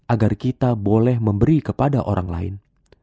agar kita boleh memberi kepada orang lain